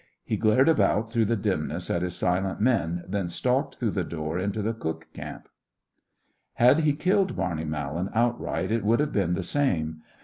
He glared about through the dimness at his silent men, then stalked through the door into the cook camp. Had he killed Barney Mallan outright, it would have been the same.